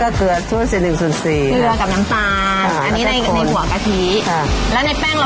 ก็ใส่เกลือครึ่ง๗๑๐๔แล้วก็ตัดครึ่งค่ะ